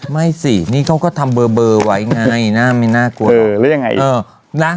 ไม่สินี่เขาก็ทำเบย์ไว้ไงน่ากลัว